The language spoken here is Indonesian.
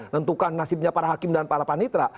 tentukan nasibnya para hakim dan para panitra